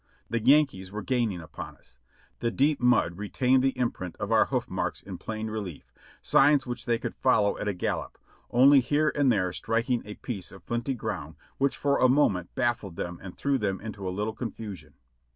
The Yankees were gaining upon us. The deep mud retained the imprint of our hoof marks in plain relief, signs which they could follow at a gallop, only here and there striking a piece of flinty ground which for a moment baffled them and threw them into a little confusion.